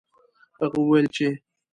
هغه وویل چې